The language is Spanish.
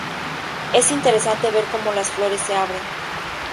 Es interesante ver como las flores se abren.